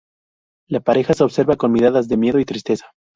La pareja se observa con miradas de miedo y tristeza.